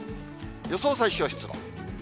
予想最小湿度。